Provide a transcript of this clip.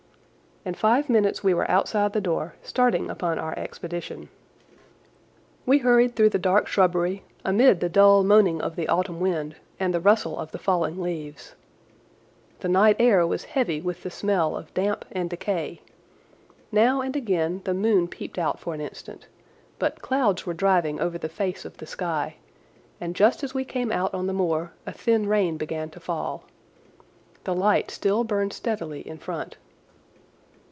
In five minutes we were outside the door, starting upon our expedition. We hurried through the dark shrubbery, amid the dull moaning of the autumn wind and the rustle of the falling leaves. The night air was heavy with the smell of damp and decay. Now and again the moon peeped out for an instant, but clouds were driving over the face of the sky, and just as we came out on the moor a thin rain began to fall. The light still burned steadily in front.